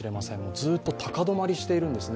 ずっと高止まりしてるんですね。